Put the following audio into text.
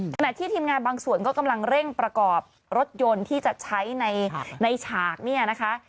ขณะที่ทีมงานบางส่วนก็กำลังเร่งประกอบรถยนต์ที่จะใช้ในฉากเนี่ยนะคะ